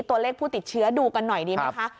ตัวเลขผู้ติดเชื้อดูกันหน่อยดีไหมคะ